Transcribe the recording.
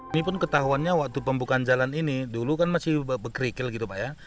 ini pun ketahuannya waktu pembukaan jalan ini dulu kan masih berkerikil gitu pak ya